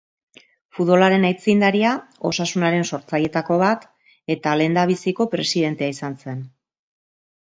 Futbolaren aitzindaria, Osasunaren sortzaileetako bat eta lehendabiziko presidentea izan zen.